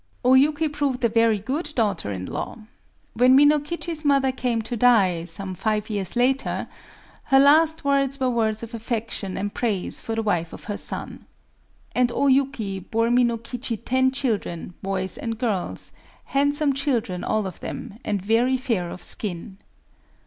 O Yuki proved a very good daughter in law. When Minokichi's mother came to die,—some five years later,—her last words were words of affection and praise for the wife of her son. And O Yuki bore Minokichi ten children, boys and girls,—handsome children all of them, and very fair of skin.